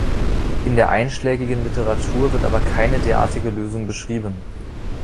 In der einschlägigen Literatur wird aber keine derartige Lösung beschrieben.